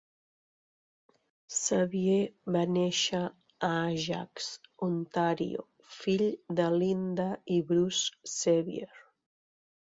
Sevier va néixer a Ajax, Ontario, fill de Lynda i Bruce Sevier.